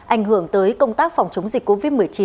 ảnh hưởng tới công tác phòng chống dịch covid một mươi chín